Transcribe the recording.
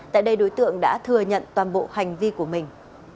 tại đây đối tượng đã thừa nhận toàn bộ hành vi của mình